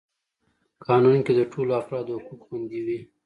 قانون کي د ټولو افرادو حقوق خوندي وي.